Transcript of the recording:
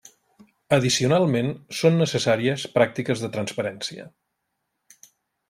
Addicionalment són necessàries pràctiques de transparència.